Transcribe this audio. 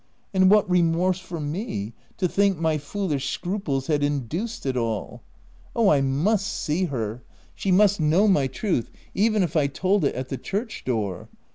and what remorse for me, to think my foolish scruples had induced it all ! Oh, I must see her — she must know my truth^even if I told it at the church door